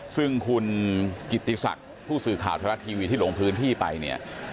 ซึ่งคุณกิติศักดิ์ผู้สื่อข่าวไทยรัฐทีวีที่ลงพื้นที่ไปเนี่ย